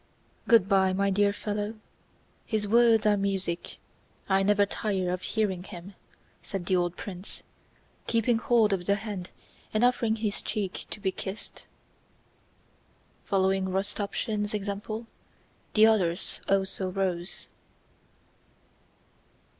"Good by, my dear fellow.... His words are music, I never tire of hearing him!" said the old prince, keeping hold of the hand and offering his cheek to be kissed. Following Rostopchín's example the others also rose.